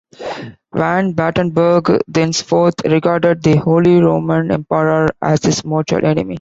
Van Batenburg thenceforth regarded the Holy Roman Emperor as his mortal enemy.